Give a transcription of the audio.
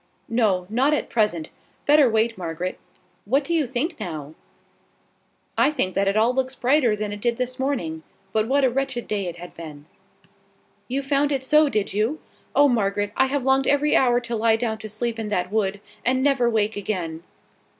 "No, not at present: better wait. Margaret! what do you think now?" "I think that all looks brighter than it did this morning; but what a wretched day it has been!" "You found it so, did you? Oh, Margaret, I have longed every hour to lie down to sleep in that wood, and never wake again!"